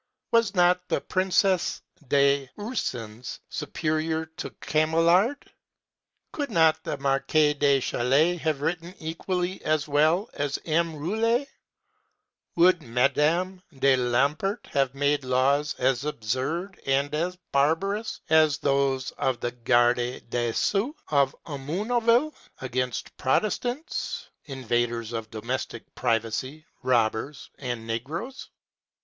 Was not the Princesse des Ursins superior to Chamillard? Could not the Marquise de Chatelet have written equally as well as M. Rouillé? Would Mme. de Lambert have made laws as absurd and as barbarous as those of the âgarde des Sceaux,â of Armenouville, against Protestants, invaders of domestic privacy, robbers and negroes?